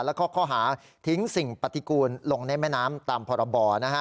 แล้วก็ข้อหาทิ้งสิ่งปฏิกูลลงในแม่น้ำตามพรบ